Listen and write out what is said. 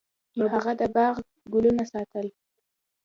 هغه د باغ ګلونه ساتل.